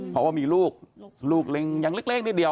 เพราะว่ามีลูกลูกไม่แรงอย่างเล็กสักครู่